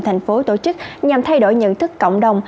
thành phố tổ chức nhằm thay đổi nhận thức cộng đồng